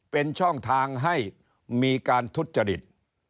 เป็นช่องทางให้มีการทุจริต